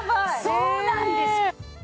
そうなんです。